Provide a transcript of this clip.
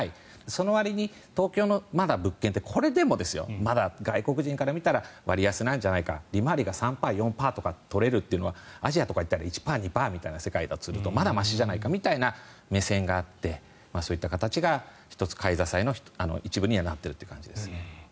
そのわりに東京の物件ってこれでもまだ外国人から見たら割安なんじゃないか利回りが３％、４％取れるのはアジアだと３％、２％みたいなまだましじゃないかみたいな目線があって、そういう形が１つ買い支えの一部になっているという感じです。